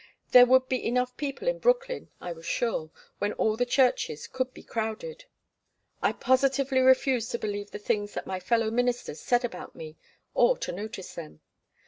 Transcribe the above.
There would be enough people in Brooklyn, I was sure, when all the churches could be crowded. I positively refused to believe the things that my fellow ministers said about me, or to notice them.